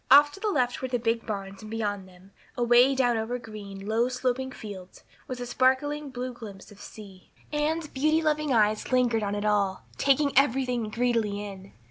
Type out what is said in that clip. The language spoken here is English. Off to the left were the big barns and beyond them, away down over green, low sloping fields, was a sparkling blue glimpse of sea. Anne's beauty loving eyes lingered on it all, taking everything greedily in.